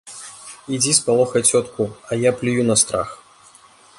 Ідзі спалохай цётку, а я плюю на страх.